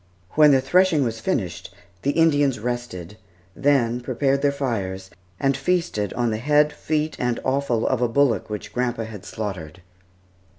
When the threshing was finished, the Indians rested; then prepared their fires, and feasted on the head, feet, and offal of a bullock which grandpa had slaughtered.